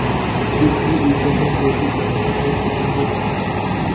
যুদ্ধে ইবরাহিম লোদি পরাজিত ও নিহত হন।